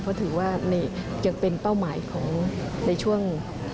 เพราะถือว่ายังเป็นเป้าหมายของในช่วง